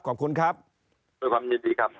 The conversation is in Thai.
ด้วยความยินดีครับ